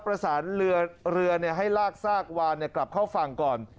ประสานเรือให้ลากซากวานกลับเข้าฝั่งก่อน